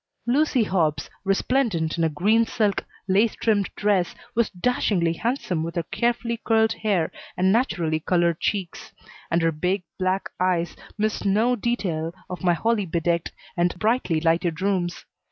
Lucy Hobbs, resplendent in a green silk, lace trimmed dress, was dashingly handsome with her carefully curled hair and naturally colored cheeks; and her big, black eyes missed no detail of my holly bedecked and brightly lighted rooms.